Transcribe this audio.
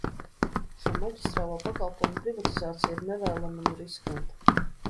Šo maģistrālo pakalpojumu privatizācija ir nevēlama un riskanta.